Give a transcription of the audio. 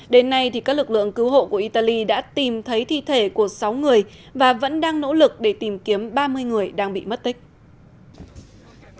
đến nay các lực lượng cứu hộ của italy đã tìm thấy thi thể của sáu người và vẫn đang nỗ lực để tìm kiếm ba mươi người đang bị mất tích